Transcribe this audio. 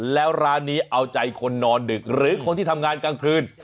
แล้วร้านนี้เอาใจคนนอนดึกหรือคนที่ทำงานกลางคืน